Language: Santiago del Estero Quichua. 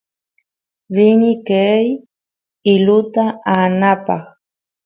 rini qeey iluta aanapaq